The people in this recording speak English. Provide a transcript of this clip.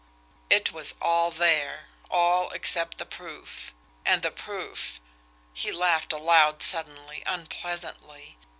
It was all there all except the proof. And the proof he laughed aloud suddenly, unpleasantly.